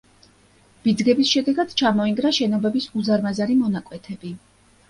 ბიძგების შედეგად ჩამოინგრა შენობების უზარმაზარი მონაკვეთები.